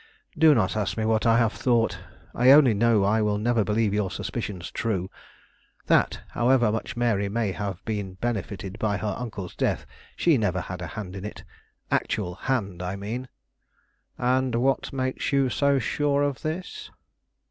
"Do not ask me what I have thought. I only know I will never believe your suspicions true. That, however much Mary may have been benefited by her uncle's death, she never had a hand in it; actual hand, I mean." "And what makes you so sure of this?"